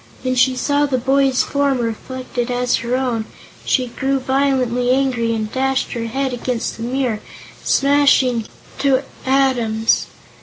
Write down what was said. When she saw the boy's form reflected as her own, she grew violently angry and dashed her head against the mirror, smashing it to atoms.